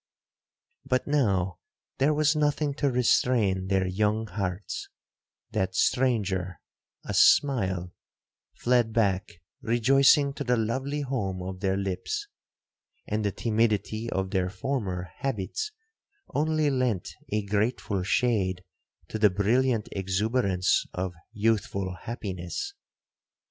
But now there was nothing to restrain their young hearts,—that stranger, a smile, fled back rejoicing to the lovely home of their lips,—and the timidity of their former habits only lent a grateful shade to the brilliant exuberance of youthful happiness.